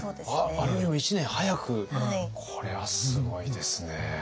あれよりも１年早くこれはすごいですね。